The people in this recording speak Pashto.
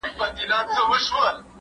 زه به سبا د کتابتوننۍ سره مرسته وکړم،